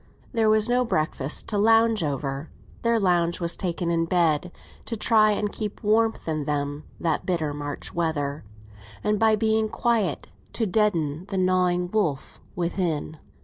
There was no breakfast to lounge over; their lounge was taken in bed, to try and keep warmth in them that bitter March weather, and, by being quiet, to deaden the gnawing wolf within.